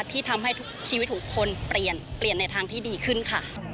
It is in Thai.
ที่ทำให้ทุกชีวิตของคนเปลี่ยนเปลี่ยนในทางที่ดีขึ้นค่ะ